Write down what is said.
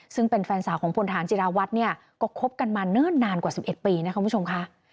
ซึ่งเป็นแฟนสาวของพลฐานจิราวัฒน์เนี่ยก็คบกันมาเนิ่นนานกว่า๑๑ปีนะคุณผู้ชมค่ะ